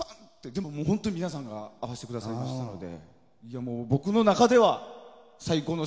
でも本当に皆さんが合わせてくださったので。